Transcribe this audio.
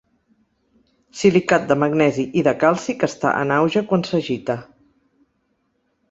Silicat de magnesi i de calci que està en auge quan s'agita.